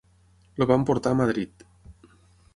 El van portar a Madrid.